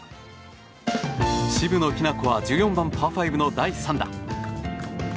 渋野日向子は１４番、パー５の第３打。